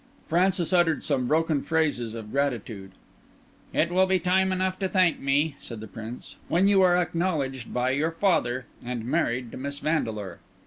Francis uttered some broken phrases of gratitude. "It will be time enough to thank me," said the Prince, "when you are acknowledged by your father and married to Miss Vandeleur."